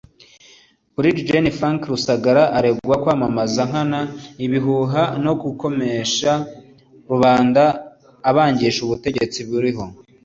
Brig Gen Frank Rusagara aregwa kwamamaza nkana ibihuha no kugomesha rubanda abangisha ubutegetsi buriho